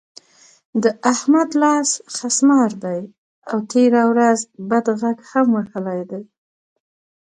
د احمد لاس خسمار دی؛ او تېره ورځ بد غږ هم وهلی دی.